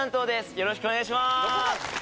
よろしくお願いします